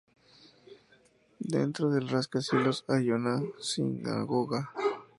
Dentro del rascacielos hay una sinagoga.